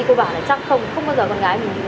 cô bảo là chắc không không bao giờ con gái nhìn người